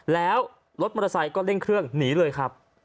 แล้วรถมอเตอร์ไซค์ก็เร่งเครื่องหนีเลยครับ